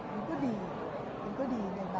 เป็นก็ดีในบางจุด